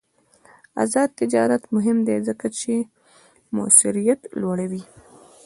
آزاد تجارت مهم دی ځکه چې موثریت لوړوي.